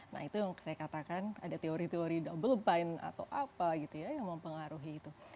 nah itu yang saya katakan ada teori teori double bine atau apa gitu ya yang mempengaruhi itu